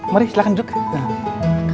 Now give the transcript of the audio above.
mari silahkan duduk